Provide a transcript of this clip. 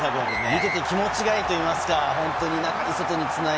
見ていて気持ちがいいというシーン。